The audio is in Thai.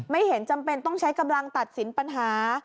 ไม่เห็นจำเป็นต้องใช้กำลังตัดสินปัญหา